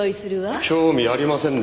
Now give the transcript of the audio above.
興味ありませんね。